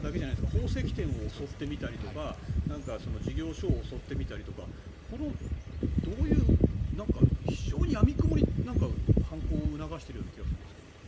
宝石店を襲ってみたりとか事業所を襲ってみたりとかどういう非常にやみくもに犯行を促しているような気がするんですが。